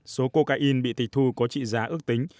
số cocaine bị tịch thu có trị giá ước tính